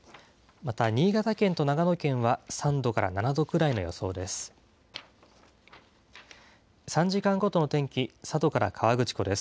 また、新潟県と長野県は３度から７度くらいの予想です。